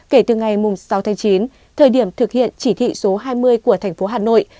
kể từ ngày sáu tháng chín thời điểm thực hiện chỉ thị số hai mươi của thành phố hà nội